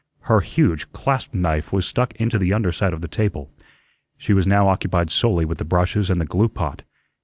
Her huge clasp knife was stuck into the under side of the table. She was now occupied solely with the brushes and the glue pot.